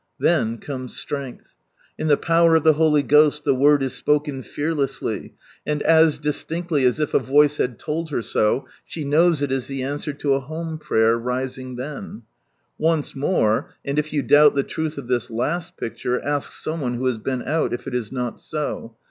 Then comes stienglh. In the power of the Holy Ghost the word is spoken fearlessly, and as distinctly as if a voice had told lier so, she knows if is (he ansTvcr to a home prayer rising then. Once more, and if you doubt the truth of this last picture, ask some one who has been out, if it is not so.